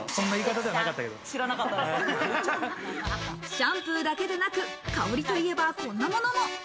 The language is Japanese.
シャンプーだけでなく香りといえば、こんなものも。